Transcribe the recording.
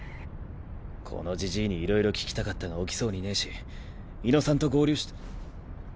このじじいにいろいろ聞きたかったが起きそうにねぇし猪野さんと合流して。